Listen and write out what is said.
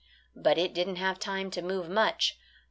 But it didn't have time to move much.